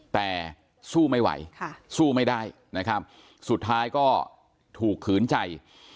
แต่สู้ไม่ไหวสู้ไม่ได้นะครับสุดท้ายก็ถูกขืนใจ